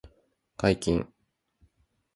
解禁